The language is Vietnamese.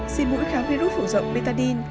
xịt mũi kháng virus phổ rộng betadine